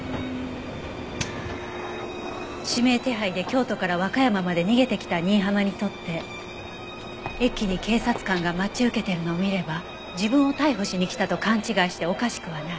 指名手配で京都から和歌山まで逃げてきた新浜にとって駅に警察官が待ち受けてるのを見れば自分を逮捕しに来たと勘違いしておかしくはない。